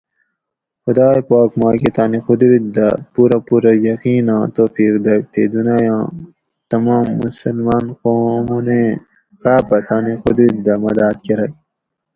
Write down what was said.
خدائے پاک ماکہ تانی قدرِت دہ پورہ پورہ یقیناں توفیق دگ تے دنایاں تمام مسلمان قومونیں غاۤپہ تانی قدرِت دہ مداۤد کۤرگ